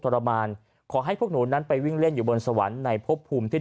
ทรมานขอให้พวกหนูนั้นไปวิ่งเล่นอยู่บนสวรรค์ในพบภูมิที่